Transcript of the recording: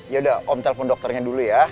yaudah om telpon dokternya dulu ya